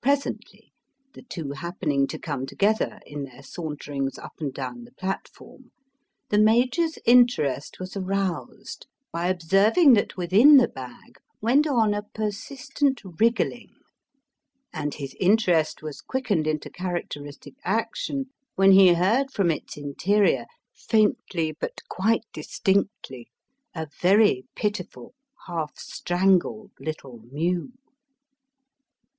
Presently the two happening to come together in their saunterings up and down the platform the Major's interest was aroused by observing that within the bag went on a persistent wriggling; and his interest was quickened into characteristic action when he heard from its interior, faintly but quite distinctly, a very pitiful half strangled little mew!